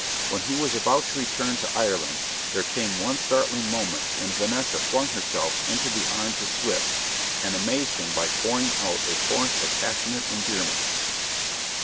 When he was about to return to Ireland, there came one startling moment when Vanessa flung herself into the arms of Swift, and amazed him by pouring out a torrent of passionate endearments.